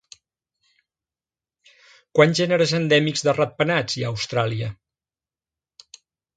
Quants gèneres endèmics de ratpenats hi ha a Austràlia?